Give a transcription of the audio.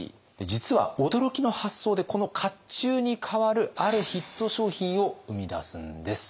実は驚きの発想でこの甲冑に代わるあるヒット商品を生み出すんです。